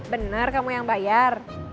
bener kamu yang bayar